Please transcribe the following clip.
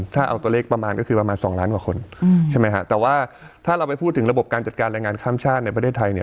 ถ้าเอาตัวเลขประมาณก็คือประมาณสองล้านกว่าคนใช่ไหมฮะแต่ว่าถ้าเราไปพูดถึงระบบการจัดการแรงงานข้ามชาติในประเทศไทยเนี่ย